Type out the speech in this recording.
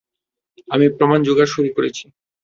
আমি প্রমাণ জোগাড় করা শুরু করেছি।